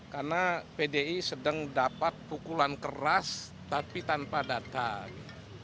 karena pdi sedang dapat pukulan keras tapi tanpa datang